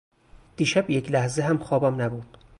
دیشب یک لحظه هم خوابم نبرد.